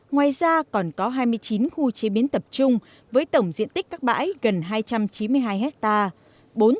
ngoài ra còn có hai mươi chín khu chế biến tập trung với tổng diện tích các bãi gần hai trăm chín mươi hai hectare